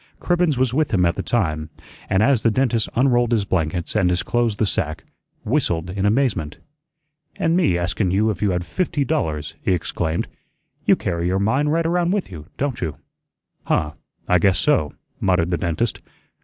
Cribbens was with him at the time, and as the dentist unrolled his blankets and disclosed the sack, whistled in amazement. "An' me asking you if you had fifty dollars!" he exclaimed. "You carry your mine right around with you, don't you?" "Huh, I guess so," muttered the dentist.